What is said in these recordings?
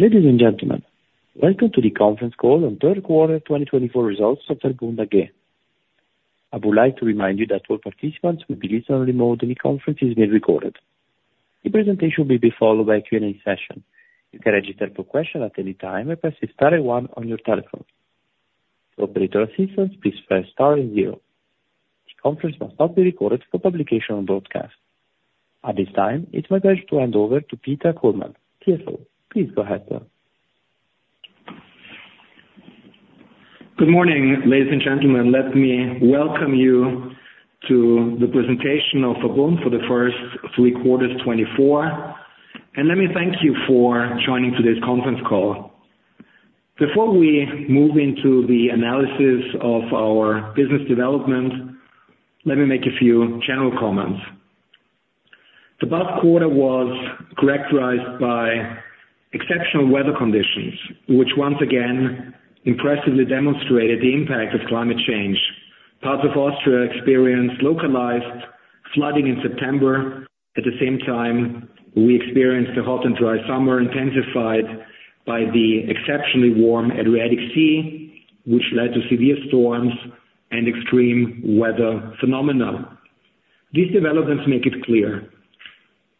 Ladies and gentlemen, welcome to the conference call on third quarter 2024 results of VERBUND again. I would like to remind you that all participants will be in listen-only mode, and the conference is being recorded. The presentation will be followed by a Q&A session. You can register for questions at any time and press star one on your telephone. For operator assistance, please press star zero. The conference must not be recorded for publication or broadcast. At this time, it's my pleasure to hand over to Peter Kollmann, CFO. Please go ahead, sir. Good morning, ladies and gentlemen. Let me welcome you to the presentation of VERBUND for the first three quarters 2024. Let me thank you for joining today's conference call. Before we move into the analysis of our business development, let me make a few general comments. The past quarter was characterized by exceptional weather conditions, which once again impressively demonstrated the impact of climate change. Parts of Austria experienced localized flooding in September. At the same time, we experienced a hot and dry summer intensified by the exceptionally warm Adriatic Sea, which led to severe storms and extreme weather phenomena. These developments make it clear: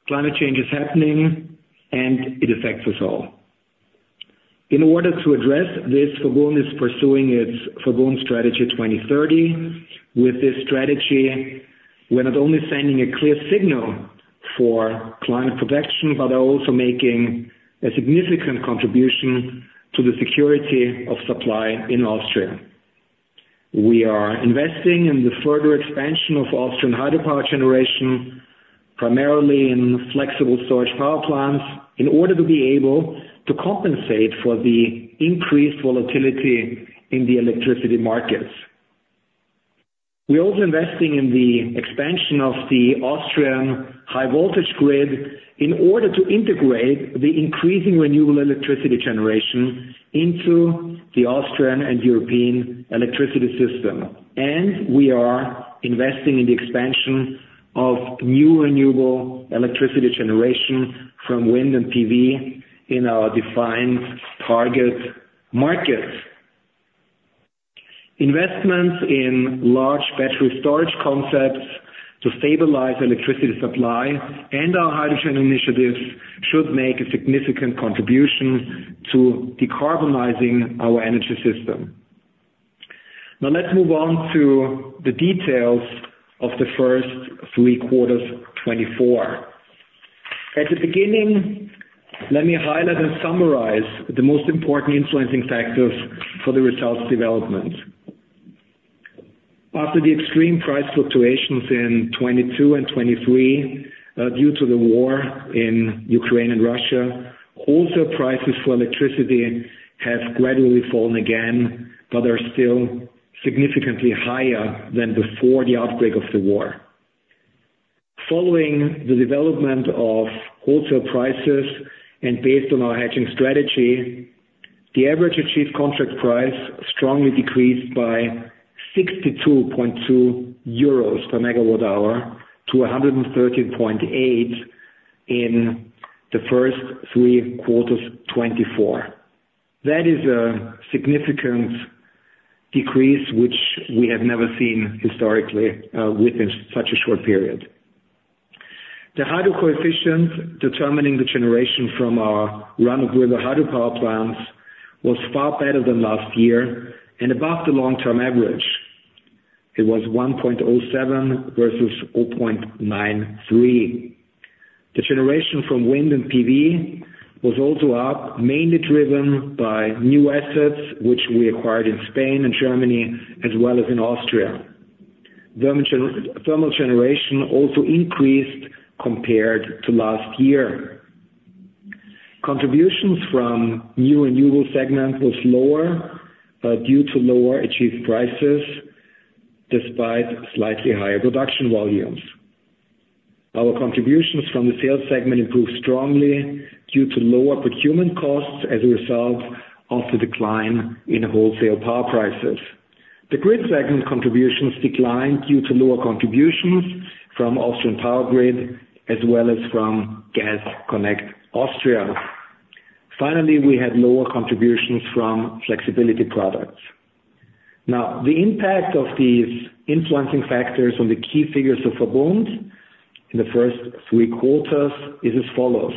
climate change is happening, and it affects us all. In order to address this, VERBUND is pursuing its VERBUND Strategy 2030. With this strategy, we're not only sending a clear signal for climate protection, but are also making a significant contribution to the security of supply in Austria. We are investing in the further expansion of Austrian hydropower generation, primarily in flexible storage power plants, in order to be able to compensate for the increased volatility in the electricity markets. We are also investing in the expansion of the Austrian high voltage grid in order to integrate the increasing renewable electricity generation into the Austrian and European electricity system. And we are investing in the expansion of new renewable electricity generation from wind and PV in our defined target markets. Investments in large battery storage concepts to stabilize electricity supply and our hydrogen initiatives should make a significant contribution to decarbonizing our energy system. Now let's move on to the details of the first three quarters of 2024. At the beginning, let me highlight and summarize the most important influencing factors for the results development. After the extreme price fluctuations in 2022 and 2023 due to the war in Ukraine and Russia, wholesale prices for electricity have gradually fallen again, but are still significantly higher than before the outbreak of the war. Following the development of wholesale prices and based on our hedging strategy, the average achieved contract price strongly decreased by 62.2 euros per MWh to 113.8 in the first three quarters 2024. That is a significant decrease, which we have never seen historically within such a short period. The hydro coefficient determining the generation from our run-of-river hydropower plants was far better than last year and above the long-term average. It was 1.07 versus 0.93. The generation from wind and PV was also up, mainly driven by new assets, which we acquired in Spain and Germany, as well as in Austria. Thermal generation also increased compared to last year. Contributions from new renewable segments were lower due to lower achieved prices, despite slightly higher production volumes. Our contributions from the sales segment improved strongly due to lower procurement costs as a result of the decline in wholesale power prices. The grid segment contributions declined due to lower contributions from Austrian Power Grid, as well as from Gas Connect Austria. Finally, we had lower contributions from flexibility products. Now, the impact of these influencing factors on the key figures of VERBUND in the first three quarters is as follows: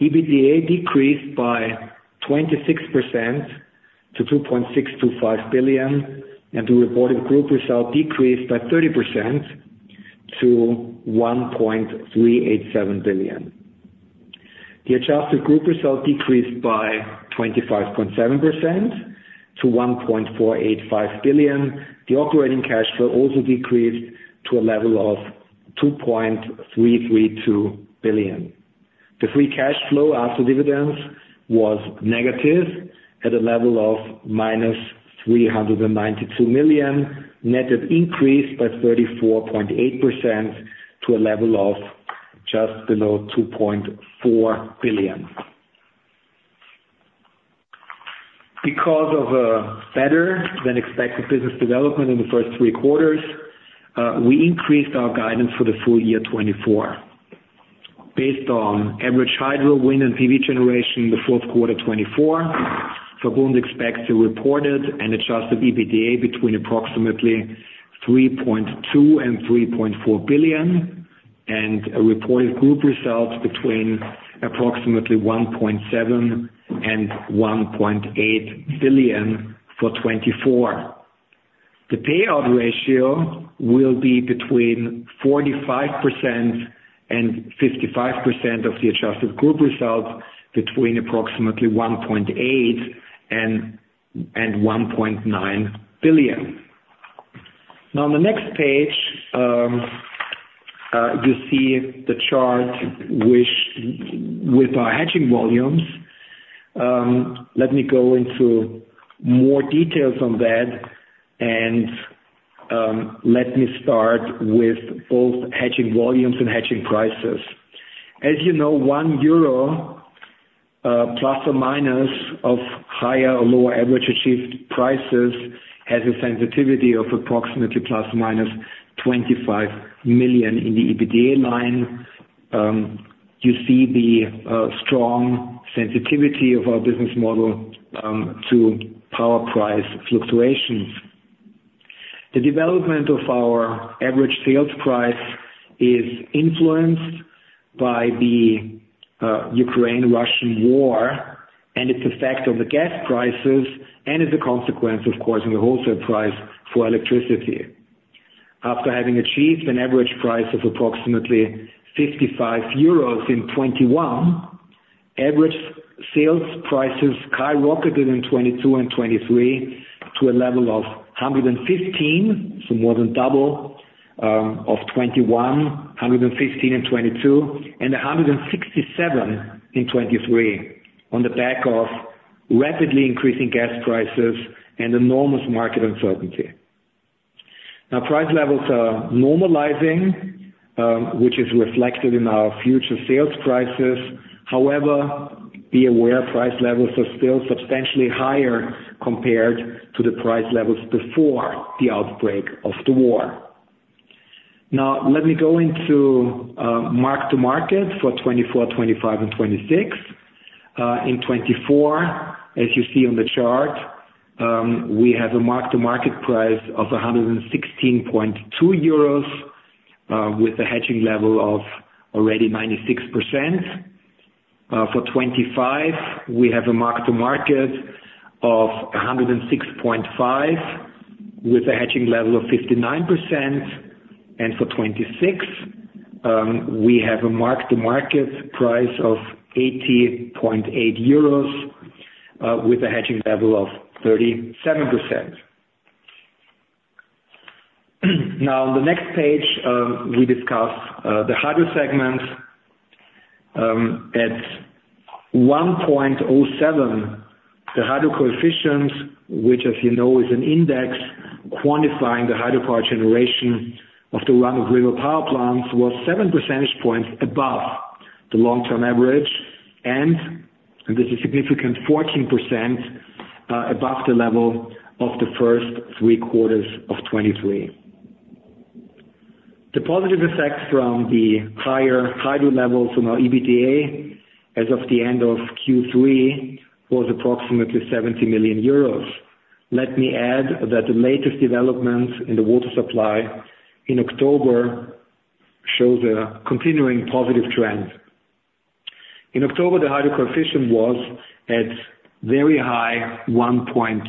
EBITDA decreased by 26% to 2.625 billion, and the reported group result decreased by 30% to 1.387 billion. The adjusted group result decreased by 25.7% to 1.485 billion. The operating cash flow also decreased to a level of 2.332 billion. The free cash flow after dividends was negative at a level of minus 392 million. Net debt increased by 34.8% to a level of just below 2.4 billion. Because of a better-than-expected business development in the first three quarters, we increased our guidance for the full year 2024. Based on average hydro, wind, and PV generation in the fourth quarter 2024, VERBUND expects a reported and adjusted EBITDA between approximately 3.2 billion and 3.4 billion, and a reported group result between approximately 1.7 billion and 1.8 billion for 2024. The payout ratio will be between 45% and 55% of the adjusted group result between approximately 1.8 billion and 1.9 billion. Now, on the next page, you see the chart with our hedging volumes. Let me go into more details on that, and let me start with both hedging volumes and hedging prices. As you know, one Euro ± of higher or lower average achieved prices has a sensitivity of approximately ±25 million EUR in the EBITDA line. You see the strong sensitivity of our business model to power price fluctuations. The development of our average sales price is influenced by the Ukraine-Russian war, and it's a factor of the gas prices and is a consequence of causing the wholesale price for electricity. After having achieved an average price of approximately 55 euros in 2021, average sales prices skyrocketed in 2022 and 2023 to a level of 115, so more than double of 2021, 115 in 2022, and 167 in 2023 on the back of rapidly increasing gas prices and enormous market uncertainty. Now, price levels are normalizing, which is reflected in our future sales prices. However, be aware, price levels are still substantially higher compared to the price levels before the outbreak of the war. Now, let me go into mark-to-market for 2024, 2025, and 2026. In 2024, as you see on the chart, we have a mark-to-market price of 116.2 euros with a hedging level of already 96%. For 2025, we have a mark-to-market of 106.5 with a hedging level of 59%. And for 2026, we have a mark-to-market price of 80.8 euros with a hedging level of 37%. Now, on the next page, we discuss the hydro segment. At 1.07, the hydro coefficient, which, as you know, is an index quantifying the hydropower generation of the run-of-river power plants, was seven percentage points above the long-term average, and this is a significant 14% above the level of the first three quarters of 2023. The positive effect from the higher hydro levels on our EBITDA as of the end of Q3 was approximately 70 million euros. Let me add that the latest developments in the water supply in October show the continuing positive trend. In October, the hydro coefficient was at very high 1.43%,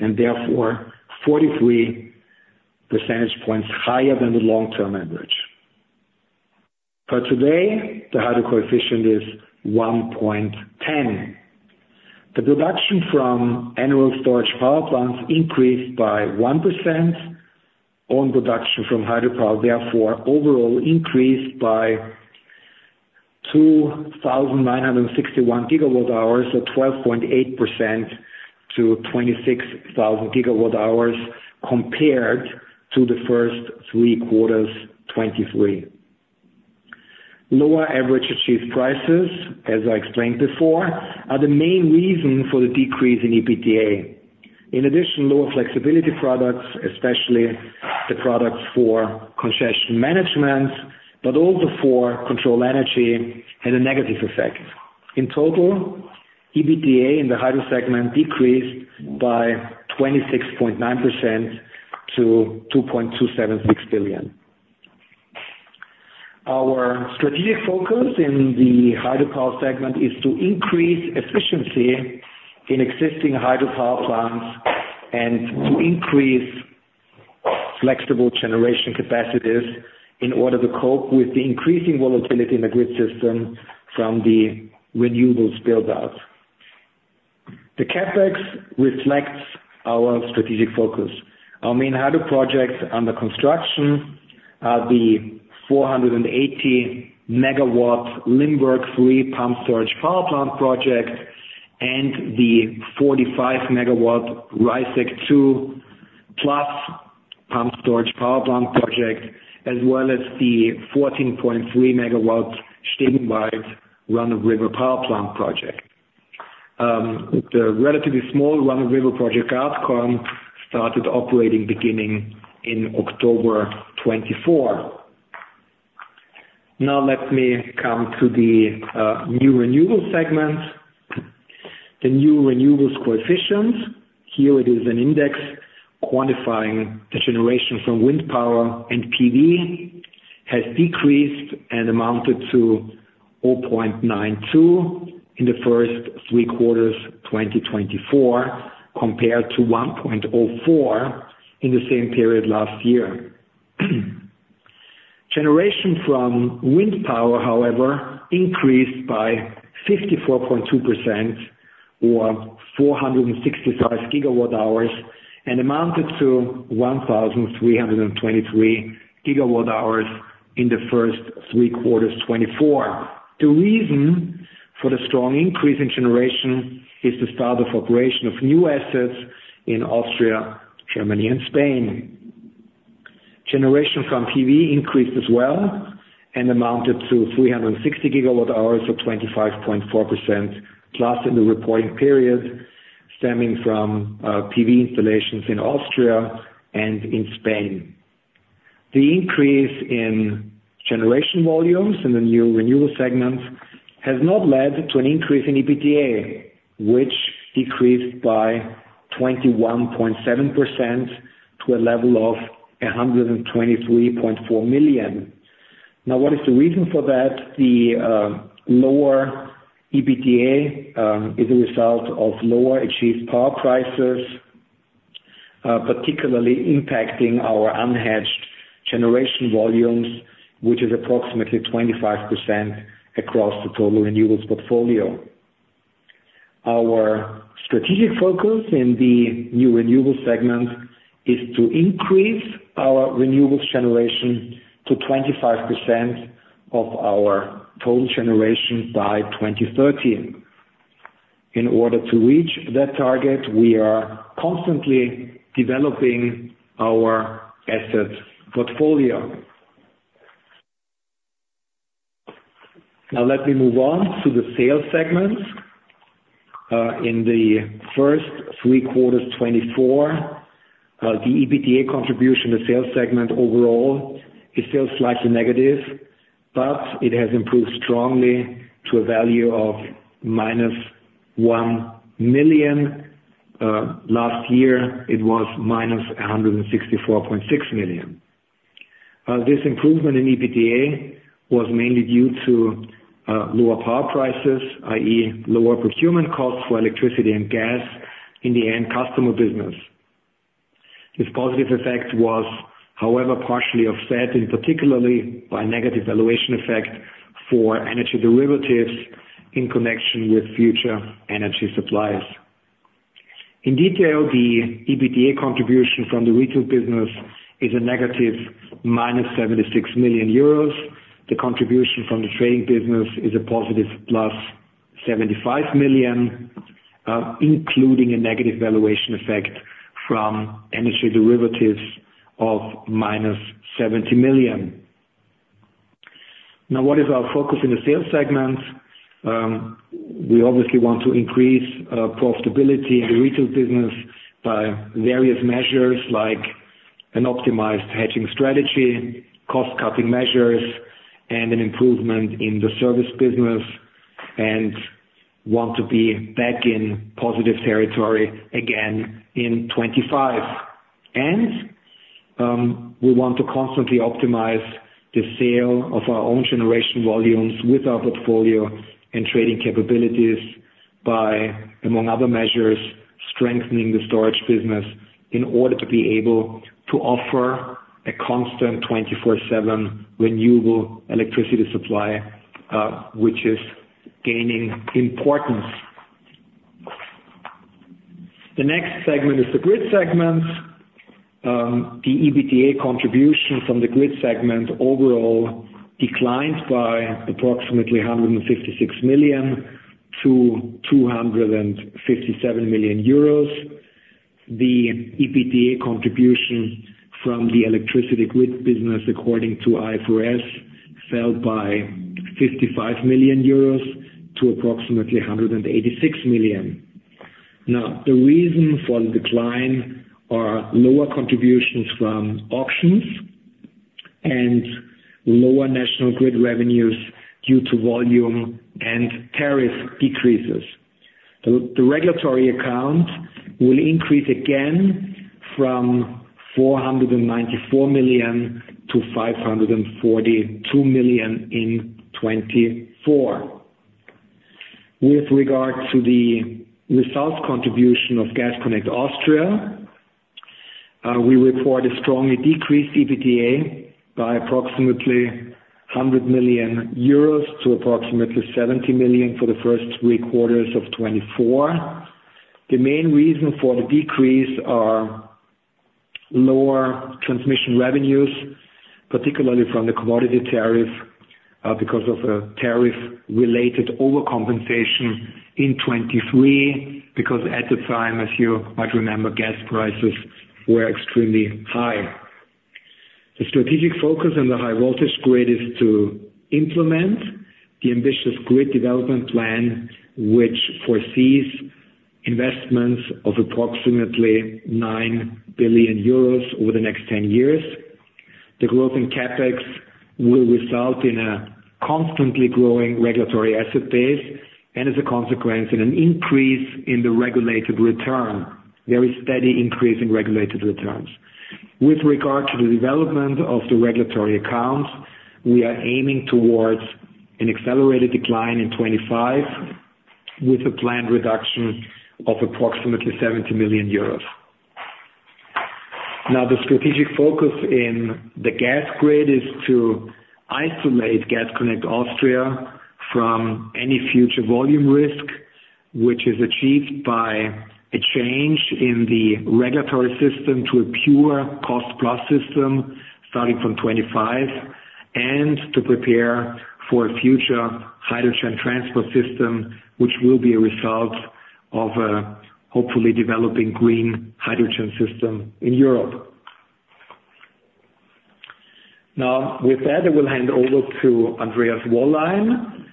and therefore 43 percentage points higher than the long-term average. For today, the hydro coefficient is 1.10. The production from annual storage power plants increased by 1% on production from hydropower, therefore overall increased by 2,961 GWh, so 12.8% to 26,000 GWh compared to the first three quarters 2023. Lower average achieved prices, as I explained before, are the main reason for the decrease in EBITDA. In addition, lower flexibility products, especially the products for congestion management, but also for controlled energy, had a negative effect. In total, EBITDA in the hydro segment decreased by 26.9% to EUR 2.276 billion. Our strategic focus in the hydropower segment is to increase efficiency in existing hydropower plants and to increase flexible generation capacities in order to cope with the increasing volatility in the grid system from the renewables build-out. The CapEx reflects our strategic focus. Our main hydro projects under construction are the 480 MW Limberg 3 pumped storage power plant project and the 45 MW Reißeck II+ pumped storage power plant project, as well as the 14.3 MW Stegenwald run-of-river power plant project. The relatively small run-of-river project one started operating beginning in October 2024. Now, let me come to the new renewable segment. The new renewables coefficient, here it is an index quantifying the generation from wind power and PV, has decreased and amounted to 0.92 in the first three quarters 2024 compared to 1.04 in the same period last year. Generation from wind power, however, increased by 54.2% or 465 GWh and amounted to 1,323 GWh in the first three quarters 2024. The reason for the strong increase in generation is the start of operation of new assets in Austria, Germany, and Spain. Generation from PV increased as well and amounted to 360 GWh, so 25.4% plus in the reporting period, stemming from PV installations in Austria and in Spain. The increase in generation volumes in the new renewable segment has not led to an increase in EBITDA, which decreased by 21.7% to a level of 123.4 million. Now, what is the reason for that? The lower EBITDA is a result of lower achieved power prices, particularly impacting our unhedged generation volumes, which is approximately 25% across the total renewables portfolio. Our strategic focus in the new renewables segment is to increase our renewables generation to 25% of our total generation by 2030. In order to reach that target, we are constantly developing our asset portfolio. Now, let me move on to the sales segment. In the first three quarters 2024, the EBITDA contribution in the sales segment overall is still slightly negative, but it has improved strongly to a value of -1 million. Last year, it was -164.6 million. This improvement in EBITDA was mainly due to lower power prices, i.e., lower procurement costs for electricity and gas in the end customer business. This positive effect was, however, partially offset, and particularly by negative valuation effect for energy derivatives in connection with future energy suppliers. In detail, the EBITDA contribution from the retail business is a negative -76 million euros. The contribution from the trading business is a positive +75 million, including a negative valuation effect from energy derivatives of -70 million. Now, what is our focus in the sales segment? We obviously want to increase profitability in the retail business by various measures like an optimized hedging strategy, cost-cutting measures, and an improvement in the service business, and want to be back in positive territory again in 2025. We want to constantly optimize the sale of our own generation volumes with our portfolio and trading capabilities by, among other measures, strengthening the storage business in order to be able to offer a constant 24/7 renewable electricity supply, which is gaining importance. The next segment is the grid segment. The EBITDA contribution from the grid segment overall declined by approximately 156 million-257 million euros. The EBITDA contribution from the electricity grid business, according to IFRS, fell by 55 million euros to approximately 186 million. Now, the reason for the decline are lower contributions from auctions and lower national grid revenues due to volume and tariff decreases. The regulatory account will increase again from 494 million to 542 million in 2024. With regard to the result contribution of Gas Connect Austria, we report a strongly decreased EBITDA by approximately 100 million euros to approximately 70 million for the first three quarters of 2024. The main reason for the decrease are lower transmission revenues, particularly from the commodity tariff because of a tariff-related overcompensation in 2023, because at the time, as you might remember, gas prices were extremely high. The strategic focus on the high-voltage grid is to implement the ambitious grid development plan, which foresees investments of approximately 9 billion euros over the next 10 years. The growth in CapEx will result in a constantly growing regulatory asset base and, as a consequence, in an increase in the regulated return, very steady increase in regulated returns. With regard to the development of the regulatory account, we are aiming towards an accelerated decline in 2025 with a planned reduction of approximately 70 million euros. Now, the strategic focus in the gas grid is to isolate Gas Connect Austria from any future volume risk, which is achieved by a change in the regulatory system to a pure cost-plus system starting from 2025, and to prepare for a future hydrogen transport system, which will be a result of a hopefully developing green hydrogen system in Europe. Now, with that, I will hand over to Andreas Wollein,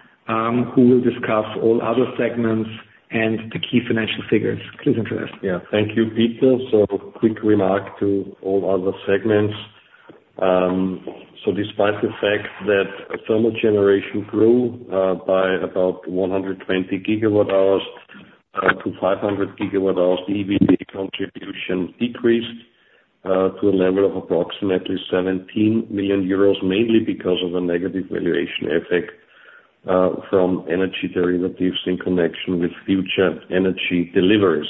who will discuss all other segments and the key financial figures. Please introduce yourself. Yeah, thank you, Peter. So quick remark to all other segments. So despite the fact that thermal generation grew by about 120 GWh to 500 GWh, the EBITDA contribution decreased to a level of approximately 17 million euros, mainly because of a negative valuation effect from energy derivatives in connection with future energy deliveries.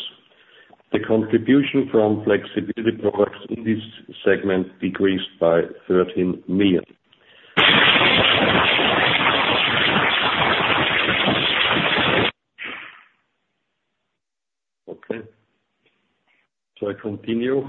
The contribution from flexibility products in this segment decreased by 13 million. Okay. So I continue.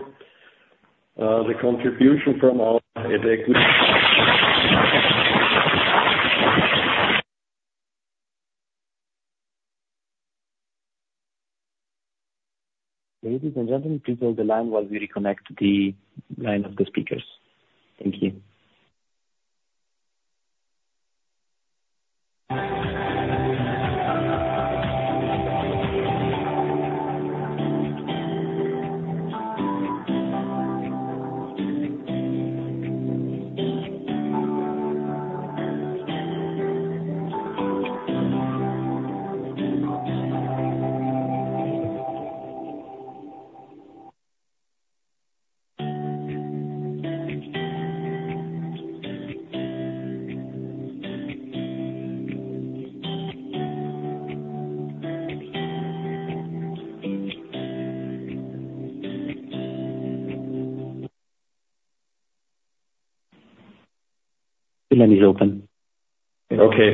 Okay.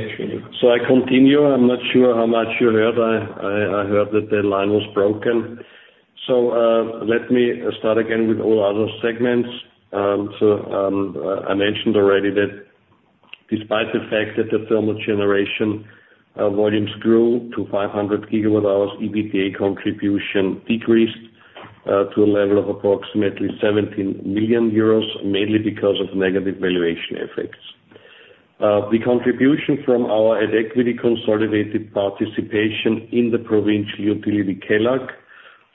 So I continue. I'm not sure how much you heard. I heard that the line was broken. So let me start again with all other segments. So I mentioned already that despite the fact that the thermal generation volumes grew to 500 GWh, EBITDA contribution decreased to a level of approximately 17 million euros, mainly because of negative valuation effects. The contribution from our equity consolidated participation in the provincial utility Kelag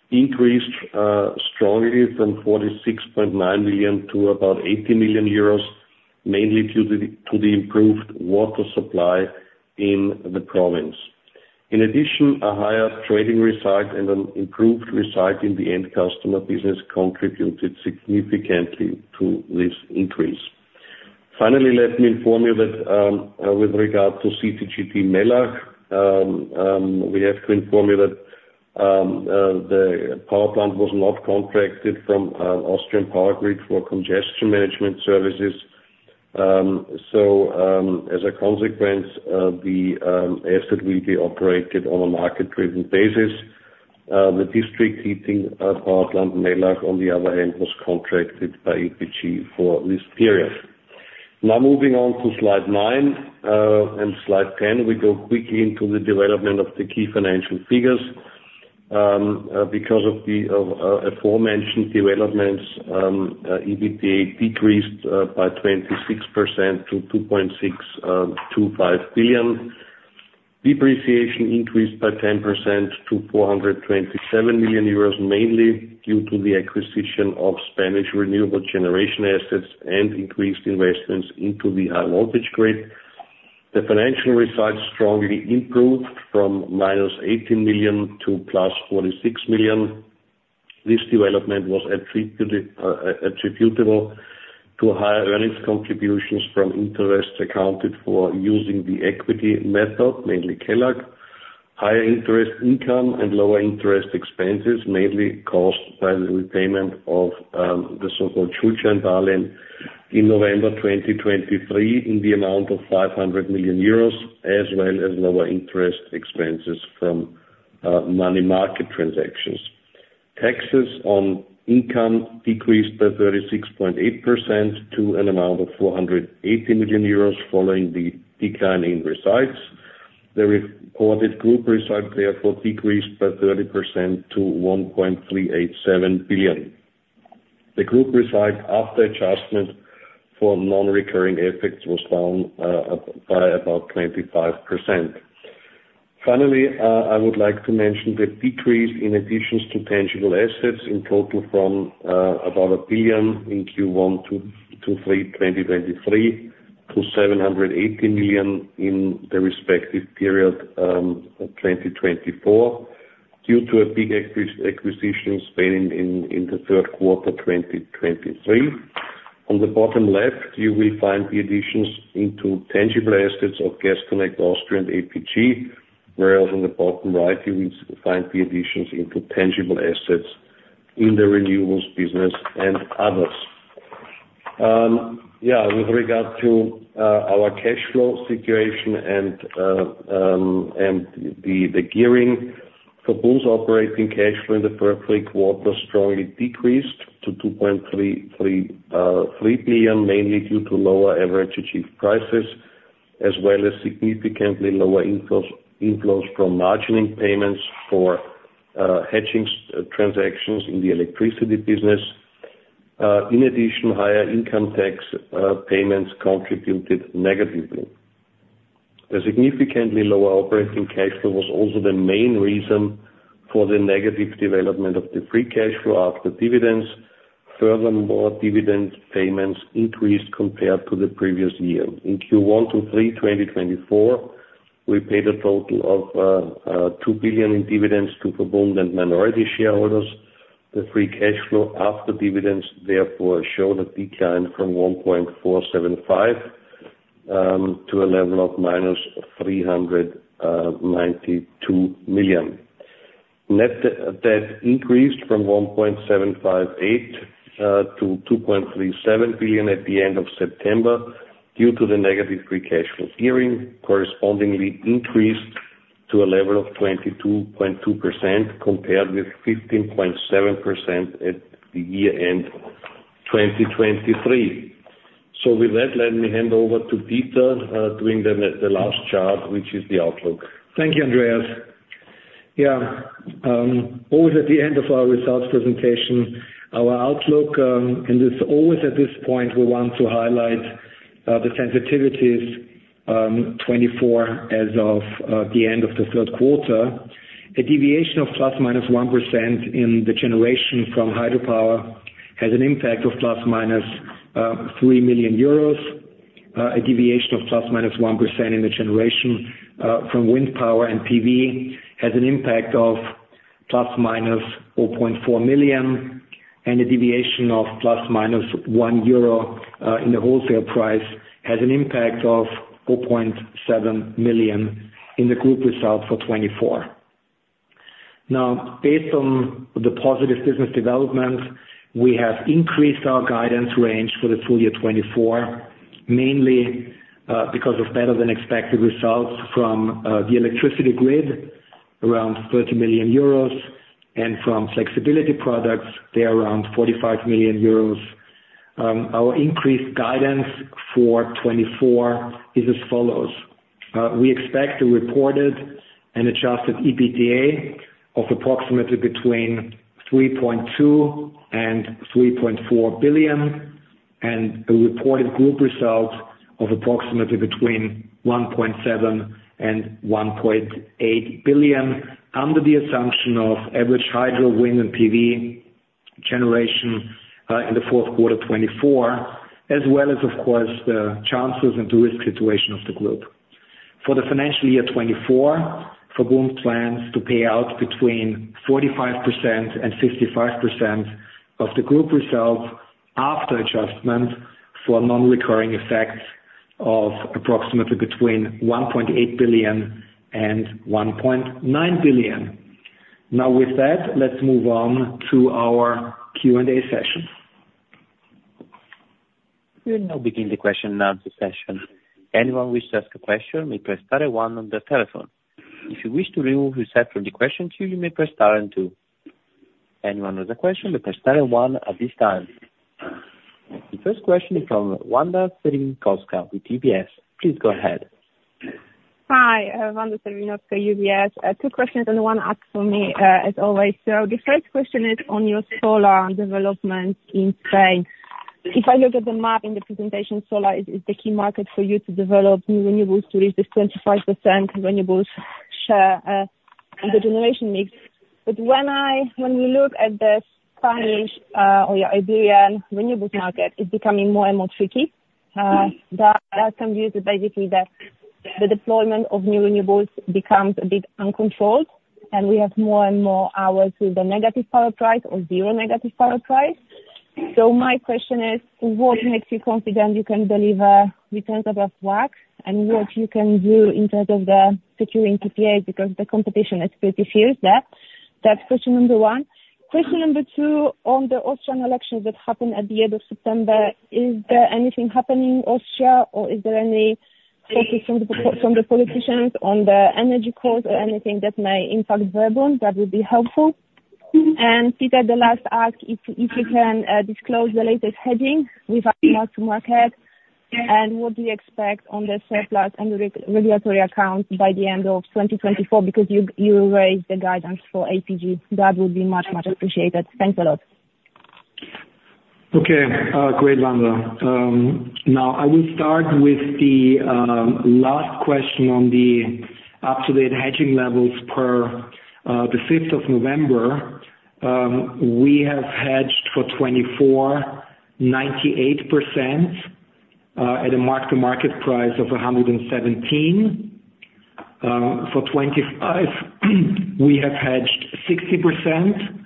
increased strongly from 46.9 million to about 80 million euros, mainly due to the improved water supply in the province. In addition, a higher trading result and an improved result in the end customer business contributed significantly to this increase. Finally, let me inform you that with regard to CCGT Mellach, we have to inform you that the power plant was not contracted from Austrian Power Grid for congestion management services. So as a consequence, the asset will be operated on a market-driven basis. The district heating power plant Mellach, on the other hand, was contracted by APG for this period. Now, moving on to slide 9 and slide 10, we go quickly into the development of the key financial figures. Because of the aforementioned developments, EBITDA decreased by 26% to 2.625 billion. Depreciation increased by 10% to 427 million euros, mainly due to the acquisition of Spanish renewable generation assets and increased investments into the high-voltage grid. The financial result strongly improved from -18 million to +46 million. This development was attributable to higher earnings contributions from interest accounted for using the equity method, mainly Kelag. Higher interest income and lower interest expenses, mainly caused by the repayment of the so-called Schuldschein Darlehen in November 2023 in the amount of 500 million euros, as well as lower interest expenses from money market transactions. Taxes on income decreased by 36.8% to an amount of 480 million euros following the decline in results. The reported group result, therefore, decreased by 30% to 1.387 billion. The group result after adjustment for non-recurring effects was down by about 25%. Finally, I would like to mention the decrease in additions to tangible assets in total from about 1 billion in Q1 to Q3 2023 to 780 million in the respective period of 2024 due to a big acquisition in Spain in the third quarter 2023. On the bottom left, you will find the additions into tangible assets of Gas Connect Austria and APG, whereas on the bottom right, you will find the additions into tangible assets in the renewables business and others. Yeah, with regard to our cash flow situation and the gearing, for both operating cash flow in the third quarter strongly decreased to 2.33 billion, mainly due to lower average achieved prices, as well as significantly lower inflows from margin payments for hedging transactions in the electricity business. In addition, higher income tax payments contributed negatively. The significantly lower operating cash flow was also the main reason for the negative development of the free cash flow after dividends. Furthermore, dividend payments increased compared to the previous year. In Q1 to Q3 2024, we paid a total of 2 billion in dividends to VERBUND and minority shareholders. The free cash flow after dividends, therefore, showed a decline from 1.475 billion to a level of -392 million. Net debt increased from 1.758 billion to 2.37 billion at the end of September due to the negative free cash flow. Gearing, correspondingly increased to a level of 22.2% compared with 15.7% at the year-end 2023. So with that, let me hand over to Peter doing the last chart, which is the outlook. Thank you, Andreas. Yeah, always at the end of our results presentation, our outlook, and always at this point, we want to highlight the sensitivities. 2024 as of the end of the third quarter, a deviation of plus minus 1% in the generation from hydropower has an impact of plus minus 3 million euros. A deviation of plus minus 1% in the generation from wind power and PV has an impact of plus minus 0.4 million, and a deviation of ±one Euro in the wholesale price has an impact of 0.7 million in the group result for 2024. Now, based on the positive business development, we have increased our guidance range for the full year 2024, mainly because of better-than-expected results from the electricity grid, around 30 million euros, and from flexibility products, there around 45 million euros. Our increased guidance for 2024 is as follows. We expect the reported and adjusted EBITDA of approximately between 3.2 billion and 3.4 billion, and a reported group result of approximately between 1.7 billion and 1.8 billion, under the assumption of average hydro, wind, and PV generation in the fourth quarter 2024, as well as, of course, the chances and the risk situation of the group. For the financial year 2024, we plan to pay out between 45% and 55% of the group result after adjustment for non-recurring effects of approximately between 1.8 billion and 1.9 billion. Now, with that, let's move on to our Q&A session. We'll now begin the question and answer session. If anyone wishes to ask a question, may press star and one on the telephone. If you wish to remove yourself from the question queue, you may press star and two. If anyone has a question, may press star and one at this time. The first question is from Wanda Serwinowska with UBS. Please go ahead. Hi, Wanda Serwinowska, UBS. Two questions, and the one asked for me, as always. So the first question is on your solar development in Spain. If I look at the map in the presentation, solar is the key market for you to develop new renewables to reach this 25% renewables share in the generation mix. But when we look at the Spanish or Iberian renewables market, it's becoming more and more tricky. That can be used basically that the deployment of new renewables becomes a bit uncontrolled, and we have more and more hours with the negative power price or zero negative power price. So my question is, what makes you confident you can deliver in terms of work and what you can do in terms of the securing PPAs because the competition is pretty fierce there? That's question number one. Question number two, on the Austrian elections that happened at the end of September, is there anything happening in Austria, or is there any focus from the politicians on the energy course or anything that may impact VERBUND that would be helpful? And Peter, the last ask, if you can disclose the latest hedging with our market, and what do you expect on the surplus and the regulatory account by the end of 2024? Because you raised the guidance for APG. That would be much, much appreciated. Thanks a lot. Okay. Great, Wanda. Now, I will start with the last question on the up-to-date hedging levels per the 5th of November. We have hedged for 2024, 98% at a mark-to-market price of 117. For 2025, we have hedged 60%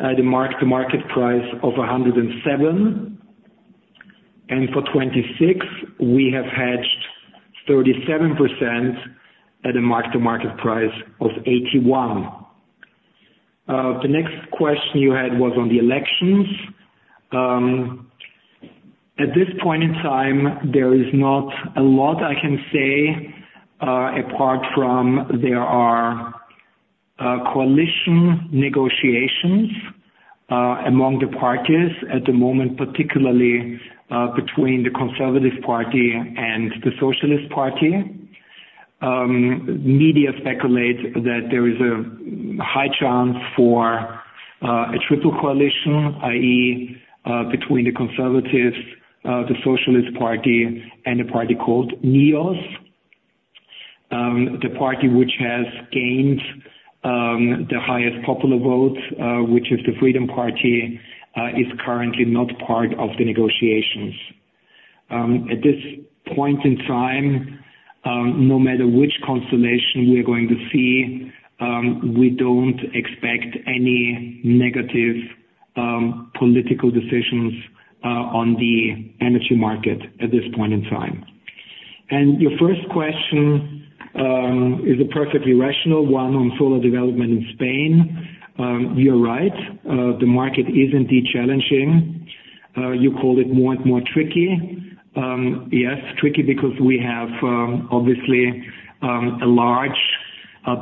at a mark-to-market price of 107. For 2026, we have hedged 37% at a mark-to-market price of 81. The next question you had was on the elections. At this point in time, there is not a lot I can say apart from there are coalition negotiations among the parties at the moment, particularly between the Conservative Party and the Socialist Party. Media speculate that there is a high chance for a triple coalition, i.e., between the Conservatives, the Socialist Party, and a party called NEOS. The party which has gained the highest popular vote, which is the Freedom Party, is currently not part of the negotiations. At this point in time, no matter which constellation we are going to see, we don't expect any negative political decisions on the energy market at this point in time. Your first question is a perfectly rational one on solar development in Spain. You're right. The market is indeed challenging. You called it more and more tricky. Yes, tricky because we have obviously a large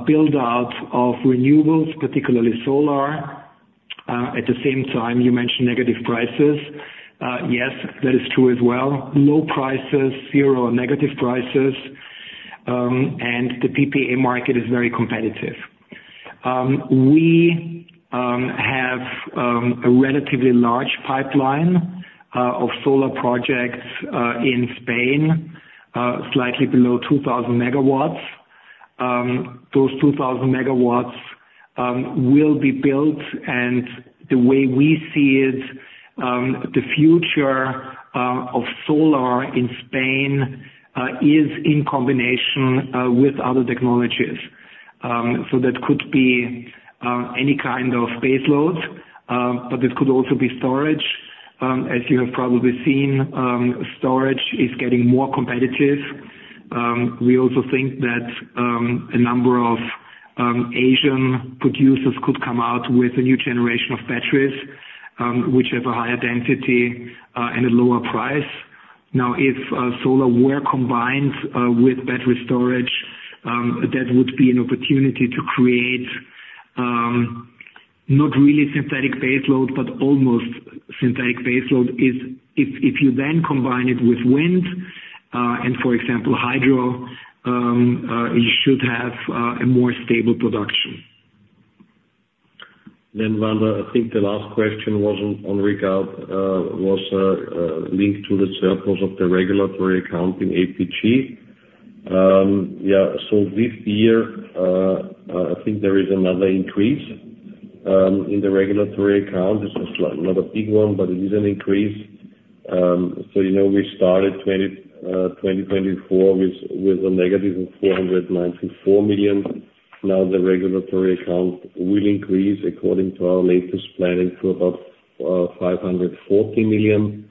build-out of renewables, particularly solar. At the same time, you mentioned negative prices. Yes, that is true as well. Low prices, zero negative prices, and the PPA market is very competitive. We have a relatively large pipeline of solar projects in Spain, slightly below 2,000 MW. Those 2,000 MW will be built, and the way we see it, the future of solar in Spain is in combination with other technologies. So that could be any kind of baseload, but it could also be storage. As you have probably seen, storage is getting more competitive. We also think that a number of Asian producers could come out with a new generation of batteries, which have a higher density and a lower price. Now, if solar were combined with battery storage, that would be an opportunity to create not really synthetic baseload, but almost synthetic baseload. If you then combine it with wind and, for example, hydro, you should have a more stable production. Then, Wanda, I think the last question was regarding the surplus of the regulatory account in APG. Yeah, so this year, I think there is another increase in the regulatory account. It's not a big one, but it is an increase. So we started 2024 with a negative of 494 million. Now, the regulatory account will increase according to our latest planning to about 540 million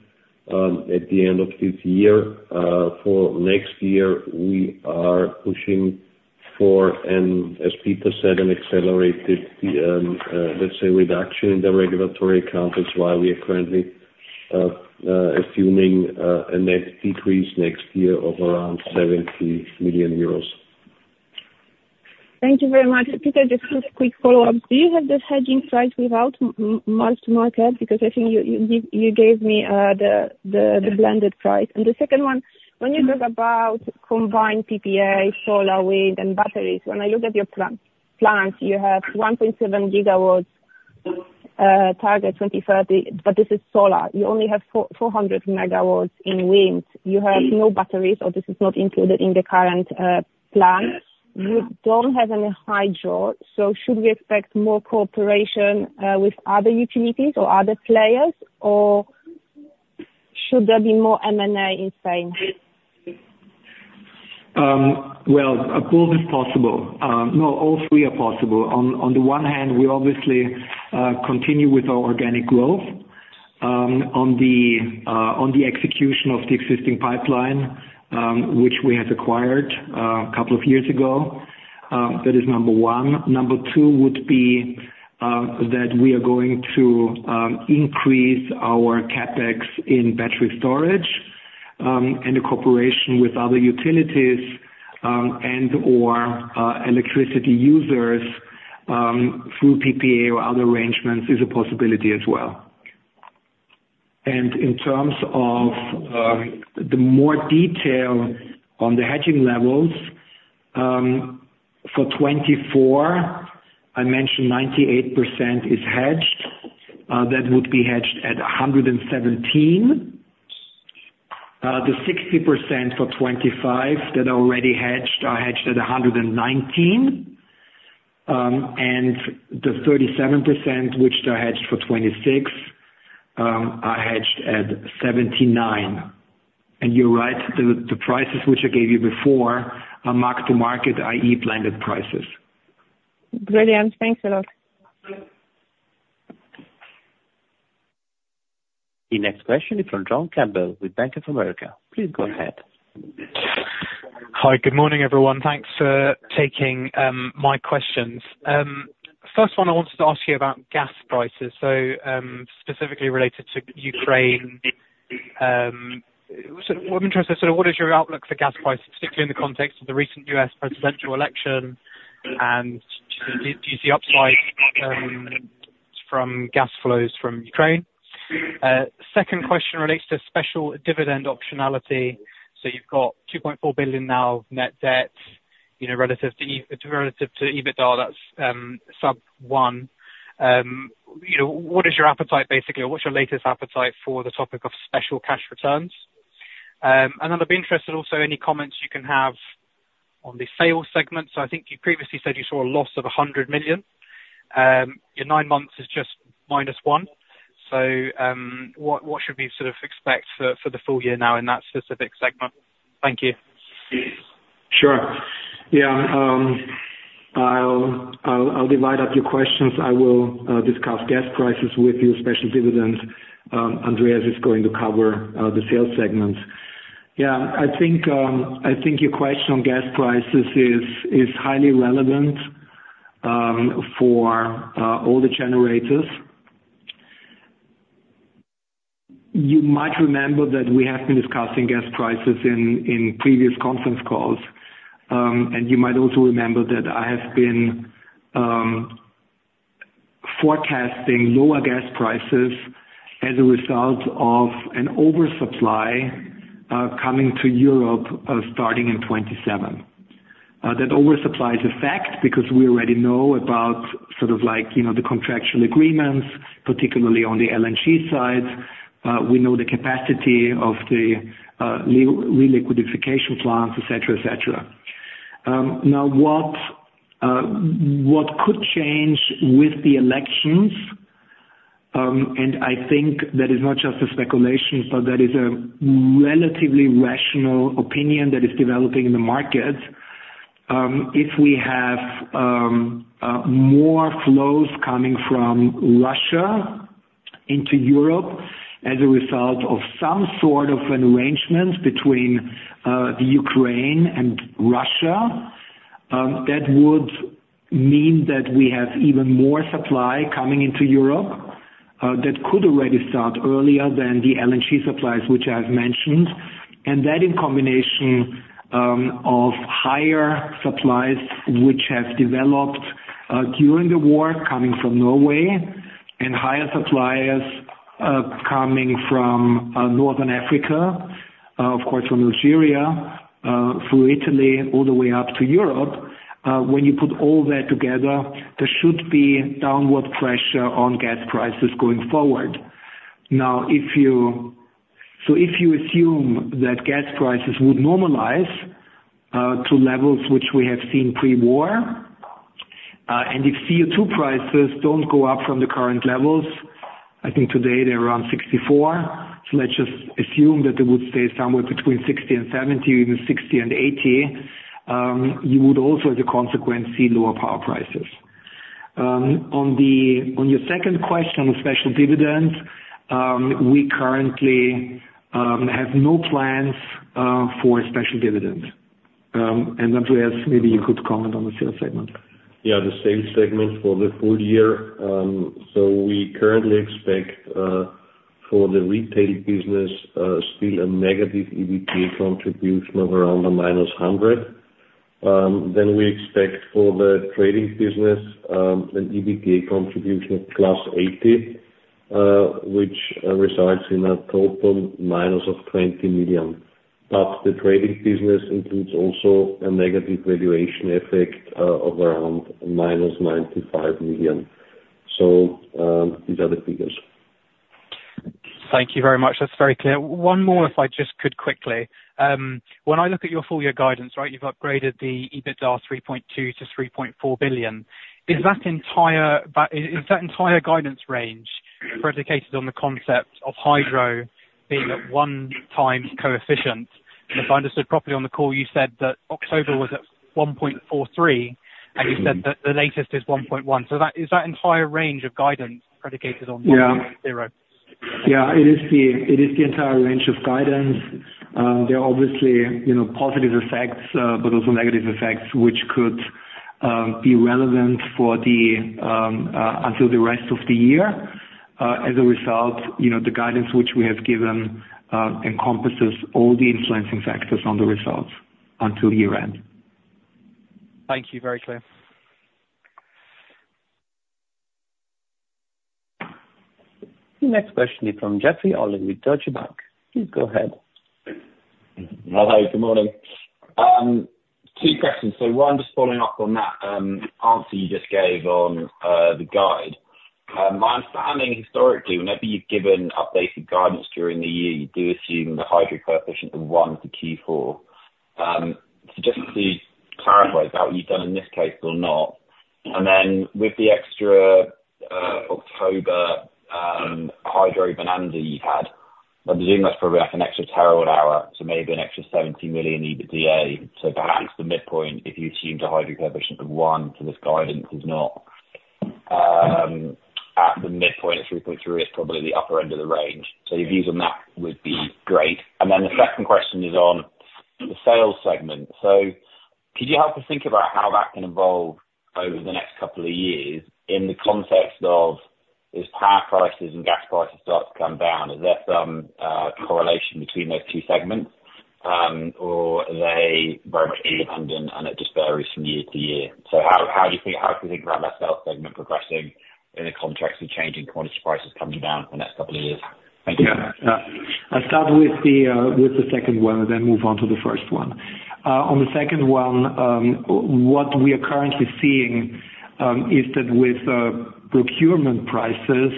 at the end of this year. For next year, we are pushing for, as Peter said, an accelerated, let's say, reduction in the regulatory account. That's why we are currently assuming a net decrease next year of around 70 million euros. Thank you very much. Peter, just a quick follow-up. Do you have the hedging price without mark-to-market? Because I think you gave me the blended price. And the second one, when you talk about combined PPA, solar, wind, and batteries, when I look at your plans, you have 1.7 GW target 2030, but this is solar. You only have 400 MW in wind. You have no batteries, or this is not included in the current plan. You don't have any hydro. So should we expect more cooperation with other utilities or other players, or should there be more M&A in Spain? Well, both is possible. No, all three are possible. On the one hand, we obviously continue with our organic growth on the execution of the existing pipeline, which we have acquired a couple of years ago. That is number one. Number two would be that we are going to increase our CapEx in battery storage, and the cooperation with other utilities and/or electricity users through PPA or other arrangements is a possibility as well. And in terms of the more detail on the hedging levels, for 2024, I mentioned 98% is hedged. That would be hedged at 117. The 60% for 2025 that are already hedged are hedged at 119. And the 37%, which are hedged for 2026, are hedged at 79. And you're right, the prices which I gave you before are mark-to-market, i.e., blended prices. Brilliant. Thanks a lot. The next question is from John Campbell with Bank of America. Please go ahead. Hi, good morning, everyone. Thanks for taking my questions. First one, I wanted to ask you about gas prices, so specifically related to Ukraine. What I'm interested in is sort of what is your outlook for gas prices, particularly in the context of the recent U.S. presidential election, and do you see upside from gas flows from Ukraine? Second question relates to special dividend optionality. So you've got 2.4 billion now of net debt relative to EBITDA that's sub one. What is your appetite, basically, or what's your latest appetite for the topic of special cash returns? And then I'd be interested also in any comments you can have on the sales segment. So I think you previously said you saw a loss of 100 million. Your nine months is just minus one. So what should we sort of expect for the full year now in that specific segment? Thank you. Sure. Yeah. I'll divide up your questions. I will discuss gas prices with your special dividend. Andreas is going to cover the sales segment. Yeah. I think your question on gas prices is highly relevant for all the generators. You might remember that we have been discussing gas prices in previous conference calls, and you might also remember that I have been forecasting lower gas prices as a result of an oversupply coming to Europe starting in 2027. That oversupply is a fact because we already know about sort of the contractual agreements, particularly on the LNG side. We know the capacity of the regasification plants, etc., etc. Now, what could change with the elections? I think that is not just a speculation, but that is a relatively rational opinion that is developing in the market. If we have more flows coming from Russia into Europe as a result of some sort of an arrangement between Ukraine and Russia, that would mean that we have even more supply coming into Europe that could already start earlier than the LNG supplies, which I have mentioned, and that in combination with higher supplies which have developed during the war coming from Norway and higher supplies coming from Northern Africa, of course from Nigeria, through Italy, all the way up to Europe, when you put all that together, there should be downward pressure on gas prices going forward. Now, so if you assume that gas prices would normalize to levels which we have seen pre-war, and if CO2 prices don't go up from the current levels, I think today they're around 64, so let's just assume that they would stay somewhere between 60 and 70, even 60 and 80, you would also, as a consequence, see lower power prices. On your second question on the special dividend, we currently have no plans for a special dividend. And Andreas, maybe you could comment on the sales segment. Yeah, the sales segment for the full year. So we currently expect for the retail business still a negative EBITDA contribution of around minus 100 million. Then we expect for the trading business an EBITDA contribution of plus 80 million, which results in a total minus of 20 million. But the trading business includes also a negative valuation effect of around -95 million. So these are the figures. Thank you very much. That's very clear. One more, if I just could quickly. When I look at your full year guidance, right, you've upgraded the EBITDA 3.2 to 3.4 billion. Is that entire guidance range predicated on the concept of hydro being at one hydro coefficient? If I understood properly on the call, you said that October was at 1.43, and you said that the latest is 1.1. So is that entire range of guidance predicated on 1.0? Yeah. It is the entire range of guidance. There are obviously positive effects, but also negative effects, which could be relevant until the rest of the year. As a result, the guidance which we have given encompasses all the influencing factors on the results until year-end. Thank you. Very clear. The next question is from Jeffery Olly with Deutsche Bank. Please go ahead. Hi, good morning. Two questions. So one, just following up on that answer you just gave on the guidance. My understanding historically, whenever you've given updated guidance during the year, you do assume the hydro coefficient of one is the key for. So just to clarify that, what you've done in this case or not. And then with the extra October hydro bonanza you've had, I'm assuming that's probably like an extra terawatt hour, so maybe an extra 70 million EBITDA. So perhaps the midpoint, if you assumed a hydro coefficient of one for this guidance is not at the midpoint of 3.3, it's probably the upper end of the range. So your views on that would be great. And then the second question is on the sales segment. So could you help us think about how that can evolve over the next couple of years in the context of, as power prices and gas prices start to come down, is there some correlation between those two segments, or are they very much independent and it just varies from year to year? So how do you think about that sales segment progressing in the context of changing commodity prices coming down for the next couple of years? Thank you. Yeah. I'll start with the second one, and then move on to the first one. On the second one, what we are currently seeing is that with procurement prices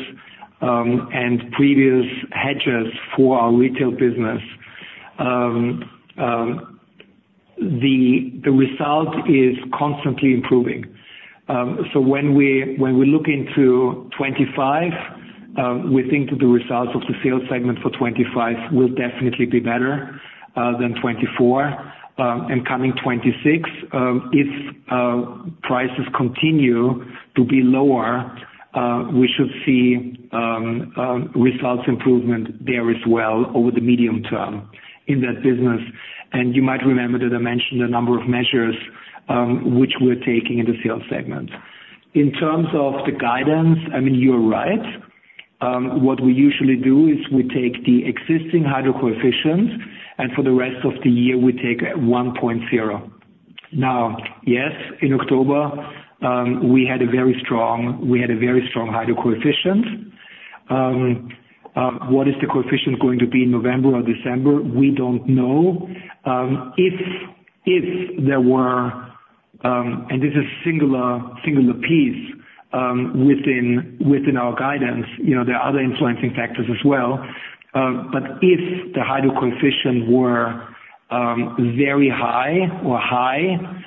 and previous hedges for our retail business, the result is constantly improving. So when we look into 2025, we think that the results of the sales segment for 2025 will definitely be better than 2024. Coming 2026, if prices continue to be lower, we should see results improvement there as well over the medium term in that business. You might remember that I mentioned a number of measures which we're taking in the sales segment. In terms of the guidance, I mean, you're right. What we usually do is we take the existing hydro coefficient, and for the rest of the year, we take 1.0. Now, yes, in October, we had a very strong hydro coefficient. What is the coefficient going to be in November or December? We don't know. If there were, and this is a singular piece within our guidance, there are other influencing factors as well. But if the hydro coefficient were very high or high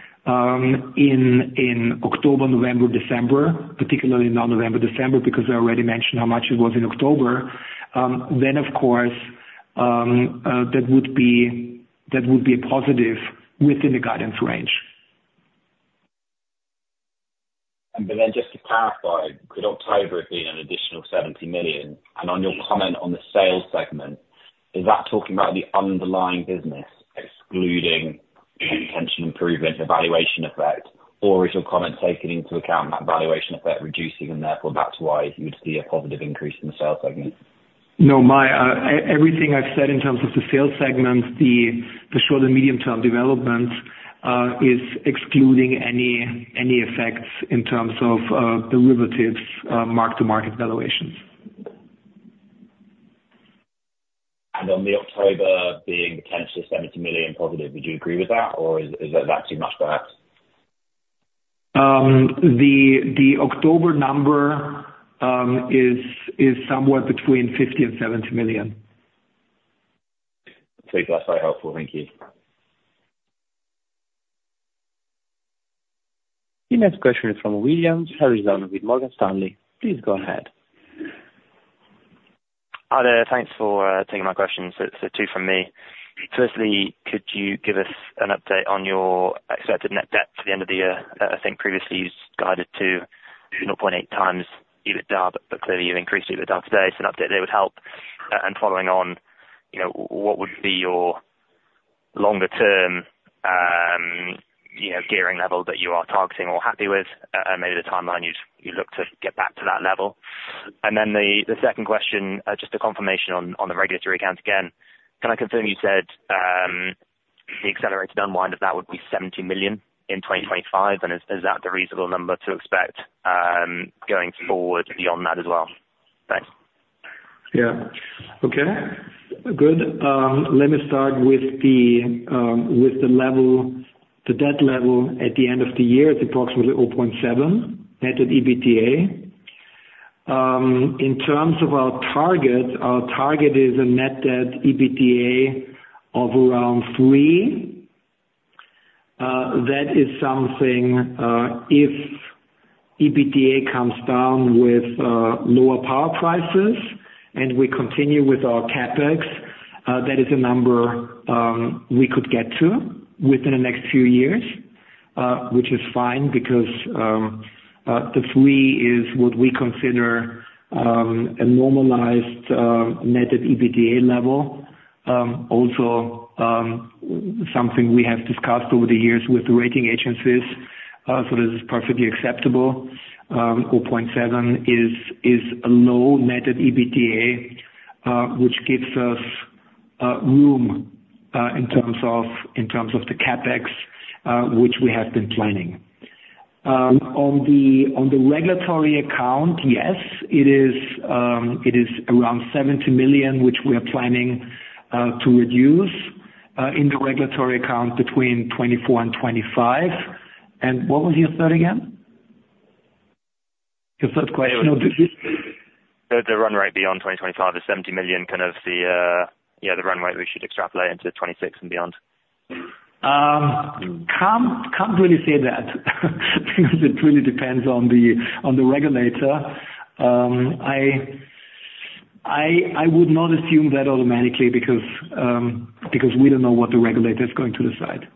in October, November, December, particularly now November, December, because I already mentioned how much it was in October, then of course, that would be a positive within the guidance range. And then just to clarify, could October have been an additional 70 million? And on your comment on the sales segment, is that talking about the underlying business, excluding the intention improvement evaluation effect? Or is your comment taking into account that valuation effect reducing, and therefore that's why you would see a positive increase in the sales segment? No, everything I've said in terms of the sales segment, the short and medium-term development is excluding any effects in terms of derivatives' mark-to-market valuations. And on the October being potentially 70 million positive, would you agree with that, or is that too much perhaps? The October number is somewhere between 50 million and 70 million. Please let us know. Thank you. The next question is from Williams Harrison with Morgan Stanley. Please go ahead. Hi there. Thanks for taking my questions. So two from me. Firstly, could you give us an update on your expected net debt to the end of the year? I think previously you guided to 0.8x EBITDA, but clearly you've increased EBITDA today. So an update there would help. And following on, what would be your longer-term gearing level that you are targeting or happy with? Maybe the timeline you look to get back to that level. And then the second question, just a confirmation on the regulatory accounts again. Can I confirm you said the accelerated unwind of that would be 70 million in 2025? And is that the reasonable number to expect going forward beyond that as well? Thanks. Yeah. Okay. Good. Let me start with the debt level at the end of the year. It's approximately 0.7 net EBITDA. In terms of our target, our target is a net debt EBITDA of around three. That is something if EBITDA comes down with lower power prices and we continue with our CapEx, that is a number we could get to within the next few years, which is fine because the three is what we consider a normalized net EBITDA level. Also, something we have discussed over the years with the rating agencies, so this is perfectly acceptable. 0.7 is a low net EBITDA, which gives us room in terms of the CapEx, which we have been planning. On the regulatory account, yes, it is around 70 million, which we are planning to reduce in the regulatory account between 2024 and 2025. And what was your third again? Your third question. The run rate beyond 2025 is 70 million, kind of the, yeah, the run rate we should extrapolate into 2026 and beyond. Can't really say that because it really depends on the regulator. I would not assume that automatically because we don't know what the regulator is going to decide.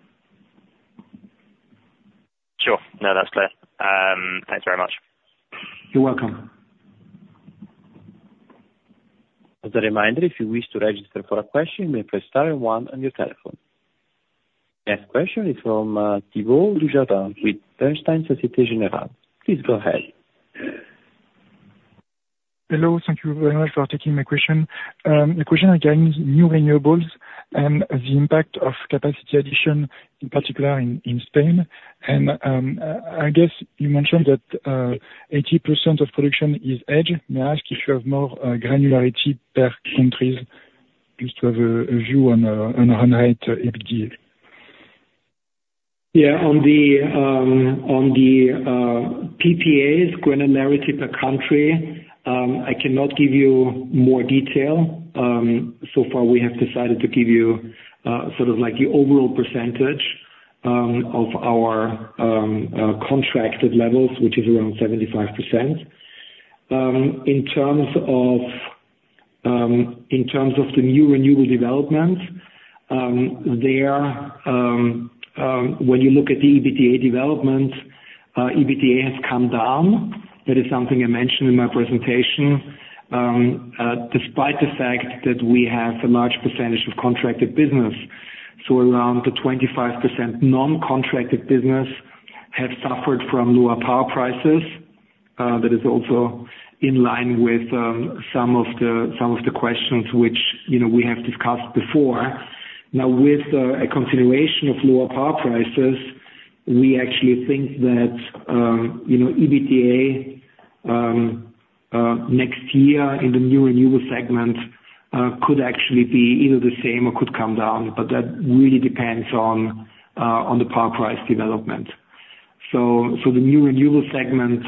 Sure. No, that's clear. Thanks very much. You're welcome. As a reminder, if you wish to register for a question, please press star, then one on your telephone. Next question is from Thibault Dujardin with Bernstein Société Générale. Please go ahead. Hello. Thank you very much for taking my question. My question regarding new renewables and the impact of capacity addition, in particular in Spain. And I guess you mentioned that 80% of production is hedged. May I ask if you have more granularity per countries just to have a view on run rate EBITDA? Yeah. On the PPAs, granularity per country, I cannot give you more detail. So far, we have decided to give you sort of the overall percentage of our contracted levels, which is around 75%. In terms of the new renewable developments, when you look at the EBITDA development, EBITDA has come down. That is something I mentioned in my presentation, despite the fact that we have a large percentage of contracted business. So around the 25% non-contracted business have suffered from lower power prices. That is also in line with some of the questions which we have discussed before. Now, with a continuation of lower power prices, we actually think that EBITDA next year in the new renewable segment could actually be either the same or could come down, but that really depends on the power price development. So the new renewable segment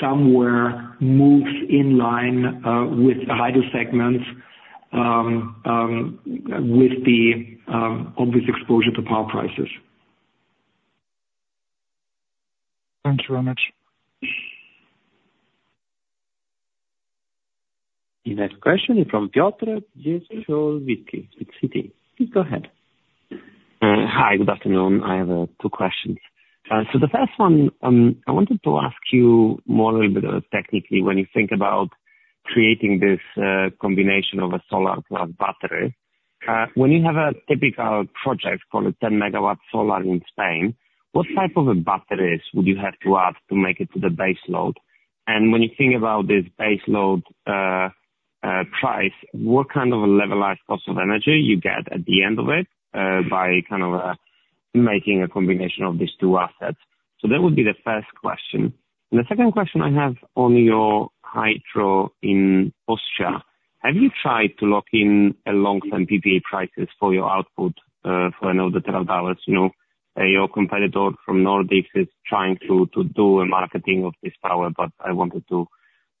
somewhere moves in line with the hydro segment with the obvious exposure to power prices. Thank you very much. The next question is from Piotr Dzieciołowski with Citi. Please go ahead. Hi. Good afternoon. I have two questions. So the first one, I wanted to ask you more a little bit technically when you think about creating this combination of a solar plus battery. When you have a typical project called a 10-MW solar in Spain, what type of batteries would you have to add to make it to the baseload? And when you think about this baseload price, what kind of a levelized cost of energy you get at the end of it by kind of making a combination of these two assets? So that would be the first question. The second question I have on your hydro in Austria, have you tried to lock in a long-term PPA prices for your output for another 12 hours? Your competitor from Nordic is trying to do a marketing of this power, but I wanted to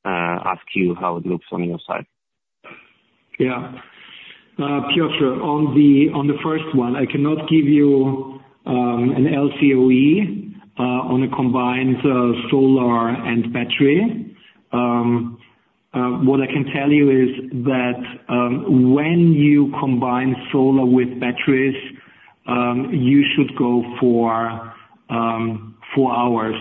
ask you how it looks on your side. Yeah. Piotr, on the first one, I cannot give you an LCOE on a combined solar and battery. What I can tell you is that when you combine solar with batteries, you should go for four hours.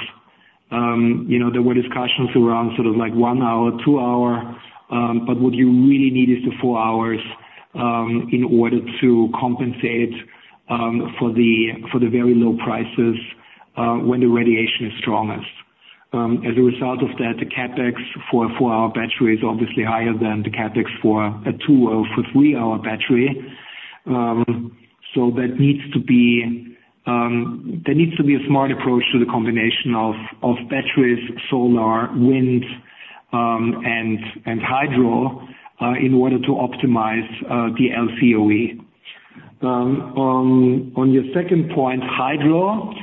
There were discussions around sort of one hour, two hours, but what you really need is the four hours in order to compensate for the very low prices when the radiation is strongest. As a result of that, the CapEx for a four-hour battery is obviously higher than the CapEx for a two or for three-hour battery. There needs to be a smart approach to the combination of batteries, solar, wind, and hydro in order to optimize the LCOE. On your second point, hydro,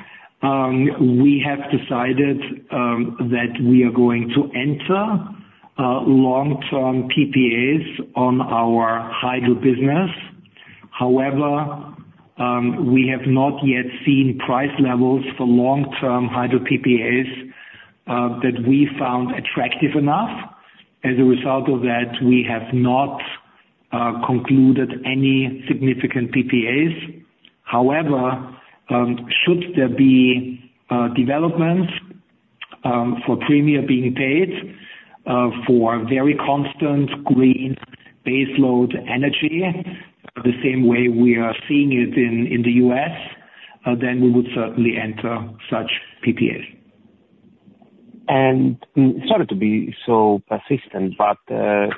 we have decided that we are going to enter long-term PPAs on our hydro business. However, we have not yet seen price levels for long-term hydro PPAs that we found attractive enough. As a result of that, we have not concluded any significant PPAs. However, should there be developments for premium being paid for very constant green baseload energy the same way we are seeing it in the U.S., then we would certainly enter such PPAs. It's harder to be so persistent, but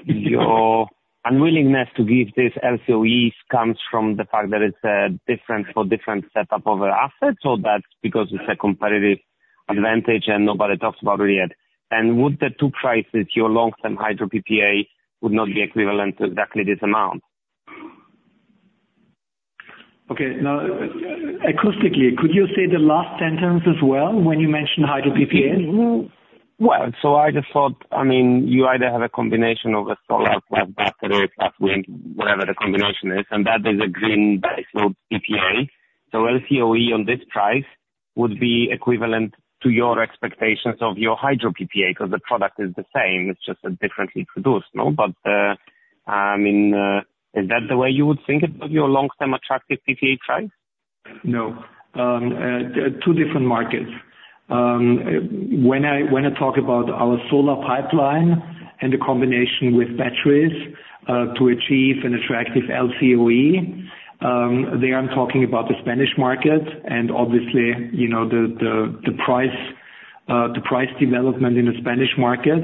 your unwillingness to give these LCOEs comes from the fact that it's different for different setup of assets, or that's because it's a competitive advantage and nobody talks about it yet? Would the two prices, your long-term hydro PPA, would not be equivalent to exactly this amount? Okay. Now, actually, could you say the last sentence as well when you mentioned hydro PPAs? So I just thought, I mean, you either have a combination of a solar plus battery plus wind, whatever the combination is, and that is a green baseload PPA. So LCOE on this price would be equivalent to your expectations of your hydro PPA because the product is the same. It's just differently produced. But I mean, is that the way you would think about your long-term attractive PPA price? No. Two different markets. When I talk about our solar pipeline and the combination with batteries to achieve an attractive LCOE, there I'm talking about the Spanish market and obviously the price development in the Spanish market.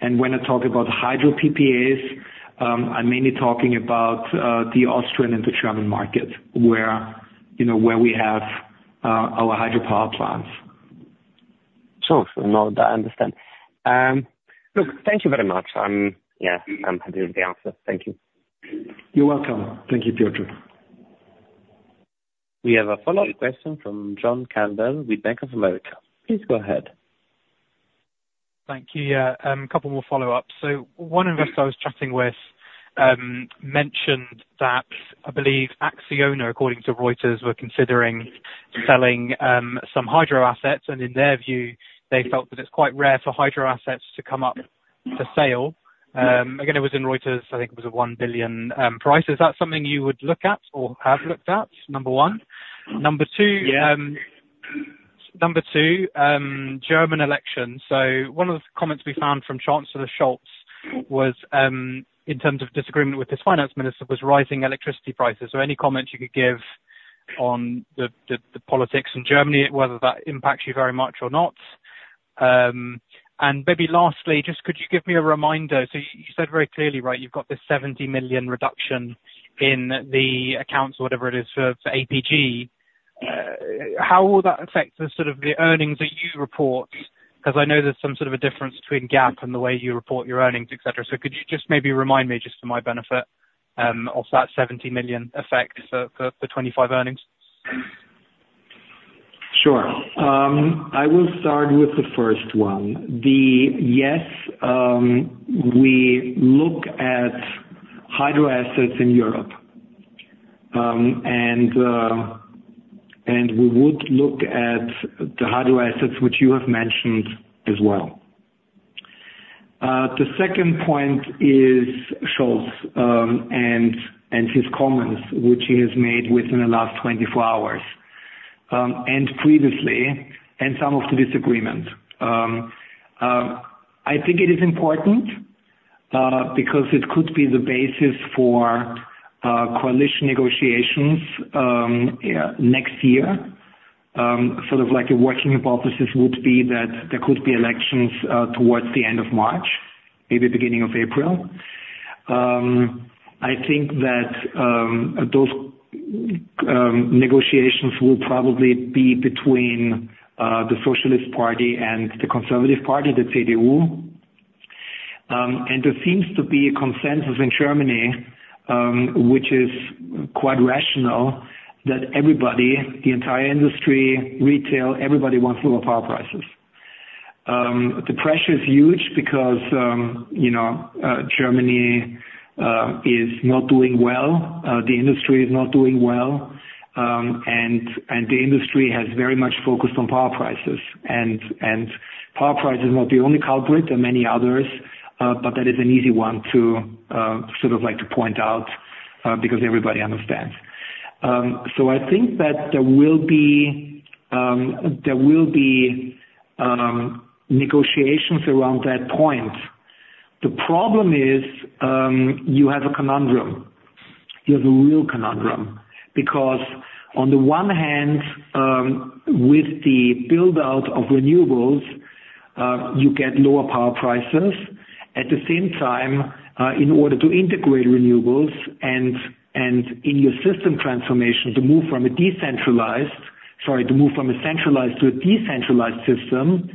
And when I talk about hydro PPAs, I'm mainly talking about the Austrian and the German market where we have our hydro power plants. Sure. No, I understand. Look, thank you very much. Yeah, I'm happy with the answer. Thank you. You're welcome. Thank you, Piotr. We have a follow-up question from John Campbell with Bank of America. Please go ahead. Thank you. Yeah. A couple more follow-ups. So one investor I was chatting with mentioned that I believe Acciona, according to Reuters, were considering selling some hydro assets, and in their view, they felt that it's quite rare for hydro assets to come up for sale. Again, it was in Reuters. I think it was a 1 billion price. Is that something you would look at or have looked at, number one? Number two, German elections. So one of the comments we found from Chancellor Scholz was, in terms of disagreement with his finance minister, rising electricity prices. So any comments you could give on the politics in Germany, whether that impacts you very much or not? And maybe lastly, just could you give me a reminder? So you said very clearly, right, you've got this 70 million reduction in the accounts or whatever it is for APG. How will that affect the sort of the earnings that you report? Because I know there's some sort of a difference between GAAP and the way you report your earnings, etc. So could you just maybe remind me just for my benefit of that 70 million effect for 2025 earnings? Sure. I will start with the first one. Yes, we look at hydro assets in Europe, and we would look at the hydro assets, which you have mentioned as well. The second point is Scholz and his comments, which he has made within the last 24 hours and previously, and some of the disagreements. I think it is important because it could be the basis for coalition negotiations next year. Sort of like a working hypothesis would be that there could be elections towards the end of March, maybe beginning of April. I think that those negotiations will probably be between the Socialist Party and the Conservative Party, the CDU. There seems to be a consensus in Germany, which is quite rational, that everybody, the entire industry, retail, everybody wants lower power prices. The pressure is huge because Germany is not doing well. The industry is not doing well, and the industry has very much focused on power prices. And power price is not the only culprit. There are many others, but that is an easy one to sort of point out because everybody understands. So I think that there will be negotiations around that point. The problem is you have a conundrum. You have a real conundrum because on the one hand, with the build-out of renewables, you get lower power prices. At the same time, in order to integrate renewables and in your system transformation, to move from a decentralized, sorry, to move from a centralized to a decentralized system,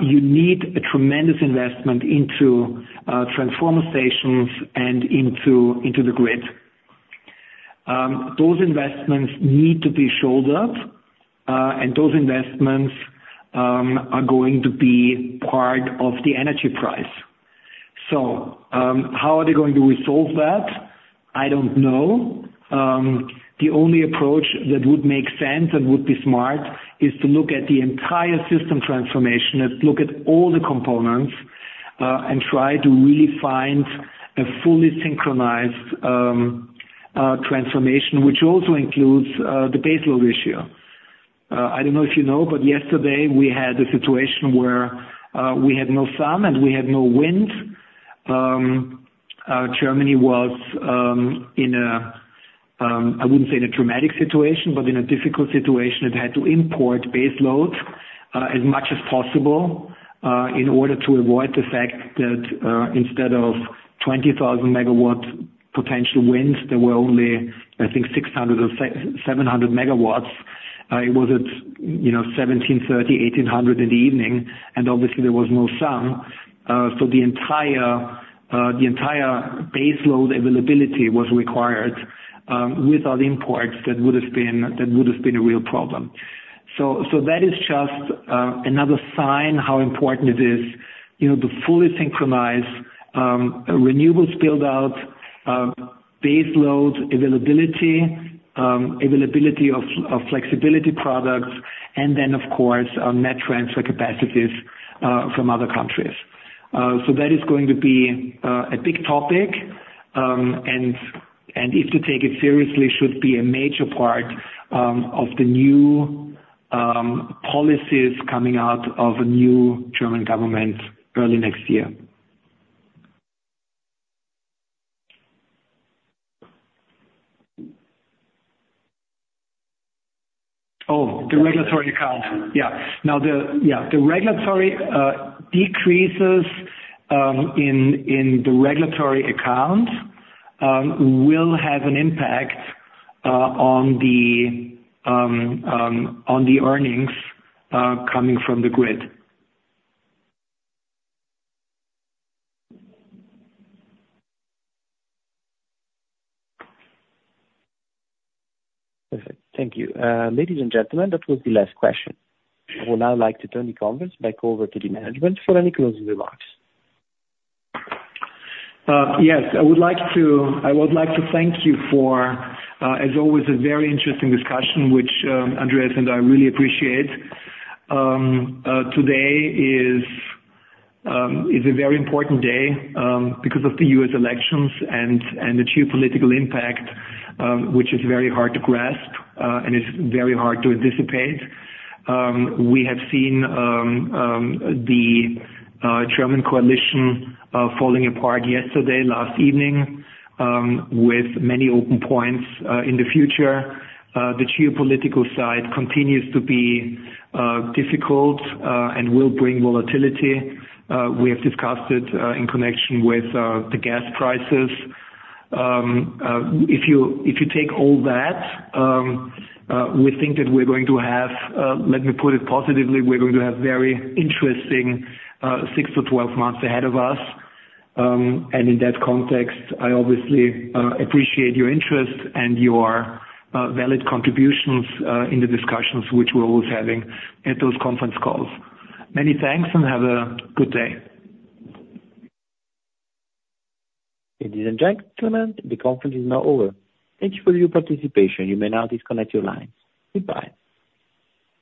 you need a tremendous investment into transformer stations and into the grid. Those investments need to be shouldered, and those investments are going to be part of the energy price. So how are they going to resolve that? I don't know. The only approach that would make sense and would be smart is to look at the entire system transformation, look at all the components, and try to really find a fully synchronized transformation, which also includes the baseload issue. I don't know if you know, but yesterday we had a situation where we had no sun and we had no wind. Germany was in a, I wouldn't say in a traumatic situation, but in a difficult situation. It had to import baseload as much as possible in order to avoid the fact that instead of 20,000 MW potential wind, there were only, I think, 600 or 700 MW. It was at 5:30 P.M., 6:00 P.M. in the evening, and obviously there was no sun. So the entire baseload availability was required without imports. That would have been a real problem. So that is just another sign how important it is to fully synchronize renewables build-out, baseload availability, availability of flexibility products, and then, of course, net transfer capacities from other countries. So that is going to be a big topic, and if to take it seriously, should be a major part of the new policies coming out of a new German government early next year. Oh, the regulatory account. Yeah. Now, yeah, the regulatory decreases in the regulatory account will have an impact on the earnings coming from the grid. Perfect. Thank you. Ladies and gentlemen, that was the last question. I would now like to turn the conference back over to the management for any closing remarks. Yes. I would like to thank you for, as always, a very interesting discussion, which Andreas and I really appreciate. Today is a very important day because of the U.S. elections and the geopolitical impact, which is very hard to grasp and is very hard to anticipate. We have seen the German coalition falling apart yesterday, last evening, with many open points in the future. The geopolitical side continues to be difficult and will bring volatility. We have discussed it in connection with the gas prices. If you take all that, we think that we're going to have, let me put it positively, we're going to have very interesting six to 12 months ahead of us. And in that context, I obviously appreciate your interest and your valid contributions in the discussions which we're always having at those conference calls. Many thanks and have a good day. Ladies and gentlemen, the conference is now over. Thank you for your participation. You may now disconnect your line. Goodbye.